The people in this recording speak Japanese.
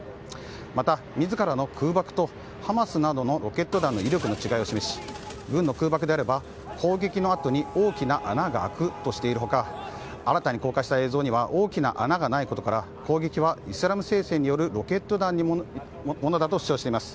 また自らの空爆とハマスなどのロケット弾などの威力の違いを示し軍の空爆であれば攻撃のあとに大きな穴が開くとしている他新たに公開した映像には大きな穴がないことから攻撃はイスラエル聖戦によるロケット弾によるものだと主張しています。